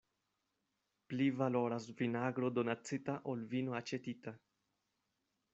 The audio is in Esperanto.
Pli valoras vinagro donacita, ol vino aĉetita.